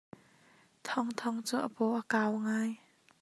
Thawngthawng cu a paw a kau ngai.